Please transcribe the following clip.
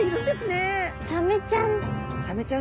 サメちゃん。